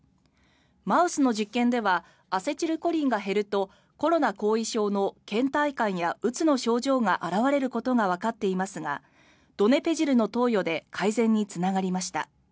マウスの実験ではアセチルコリンが減るとコロナ後遺症のけん怠感やうつの症状が現れることがわかっていますがドネペジルの投与で改善につながりました。